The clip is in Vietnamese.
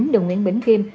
đường nguyễn bỉnh kim